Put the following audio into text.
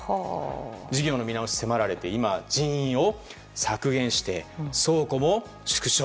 事業の見直しを迫られて人員を削減して倉庫も縮小。